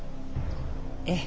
ええ。